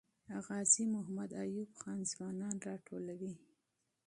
غازي محمد ایوب خان ځوانان راټولوي.